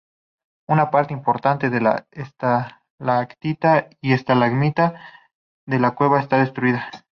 Una parte importante de las estalactitas y estalagmitas de la cueva está destruida.